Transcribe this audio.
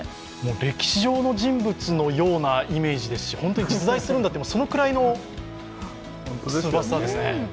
歴史上の人物のようなイメージですし本当に実在するんだというくらいのスーパースターですね。